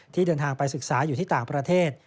เดินทางไปศึกษาอยู่ที่ต่างประเทศ